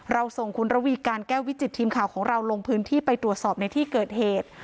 ส่งคุณระวีการแก้ววิจิตทีมข่าวของเราลงพื้นที่ไปตรวจสอบในที่เกิดเหตุ